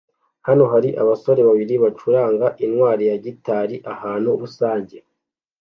Hano hari abasore babiri bacuranga intwari ya gitari ahantu rusange